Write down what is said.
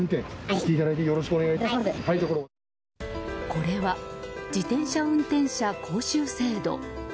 これは自転車運転者講習制度。